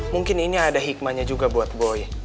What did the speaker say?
mungkin ini ada hikmahnya juga buat boy